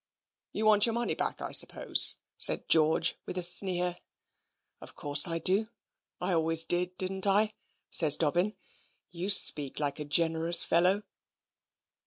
"You want your money back, I suppose," said George, with a sneer. "Of course I do I always did, didn't I?" says Dobbin. "You speak like a generous fellow."